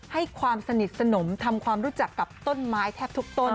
ให้ความสนิทสนมทำความรู้จักกับต้นไม้แทบทุกต้น